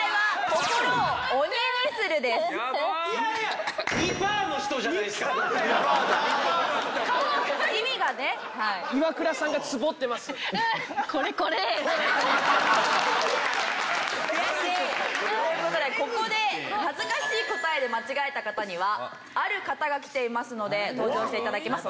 という事でここで恥ずかしい答えで間違えた方にはある方が来ていますので登場して頂きます。